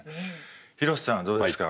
廣瀬さんはどうですか？